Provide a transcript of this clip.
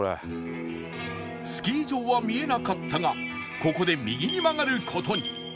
スキー場は見えなかったがここで右に曲がる事に